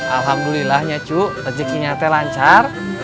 alhamdulillah ya cu rezekinya teh lancar